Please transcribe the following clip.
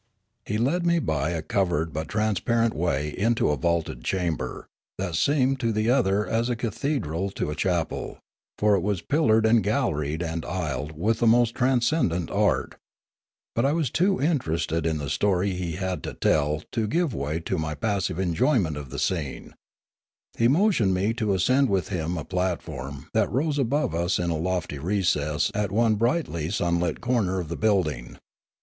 He led me by a covered but transparent way into a vaulted chamber, that seemed to the other as a cathe dral to a chapel; for it was pillared and galleried and aisled with the most transcendent art. But I was too interested in the story he had to tell to give way to my 6 Limanora passive enjoyment of the scene. He motioned me to ascend with him a platform that rose above us in a lofty recess at one brightly sunlit corner of the build ing.